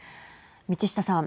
道下さん。